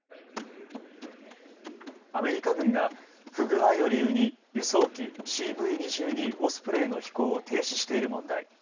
アメリカ軍が不具合を理由に輸送機、ＣＶ２２オスプレイの飛行を停止している問題。